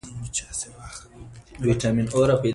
د خوست ولایت خلک میلمه پاله دي.